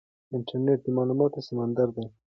انټرنیټ د معلوماتو سمندر دی.